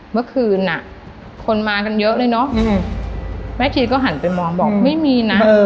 เมื่อคืนอ่ะคนมากันเยอะเลยเนอะยังไงแม่ชีก็หันไปมองบอกไม่มีนะ